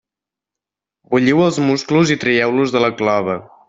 Bulliu els musclos i traieu-los de la clova.